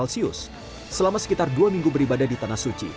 selama sekitar dua minggu beribadah di tanah suci